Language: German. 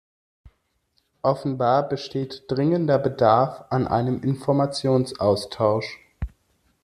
Offenbar besteht dringender Bedarf an einem Informationsaustausch.